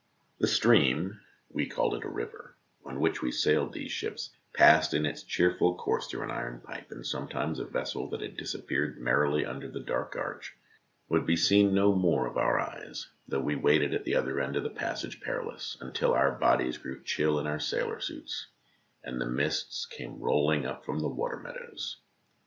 The stream we called it a river on which we sailed these ships passed in its cheerful course through an iron pipe, and sometimes a vessel that had disappeared merrily under ADMIRALS ALL 39 the dark arch would be seen no more of our eyes, though we waited at the other end of the passage perilous until our bodies grew chill in our sailor suits, and the mists came rolling up from the water meadows.